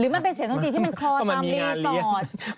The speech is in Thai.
มันเป็นเสียงดนตรีที่มันคลอตามรีสอร์ท